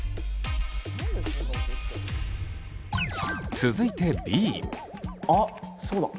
続いてあっそうだ